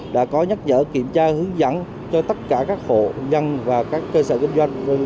đã có nhắc nhở kiểm tra hướng dẫn cho tất cả các hộ dân và các cơ sở kinh doanh